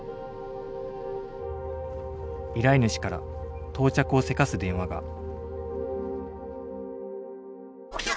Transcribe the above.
依頼主から到着をせかす電話が。